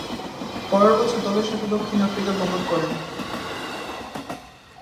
পরের বছর দলের সাথে দক্ষিণ আফ্রিকা গমন করেন।